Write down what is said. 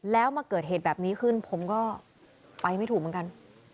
แล้วมาเกิดเหตุแบบนี้ขึ้นผมก็ไปไม่ถูกเหมือนกัน